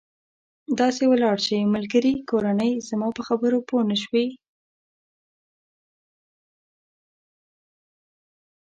داسې ولاړ شئ، ملګري، کورنۍ، زما په خبرو پوه نه شوې.